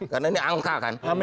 karena ini angka kan